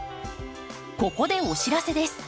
ここでお知らせです。